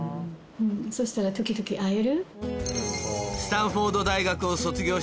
そしたら時々会える。